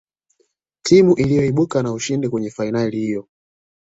timu iliyoibuka na ushindi kwenye fainali hiyo